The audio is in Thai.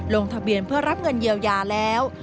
ลงทะเบียนเพื่อรับเงินเยียวยาแล้ว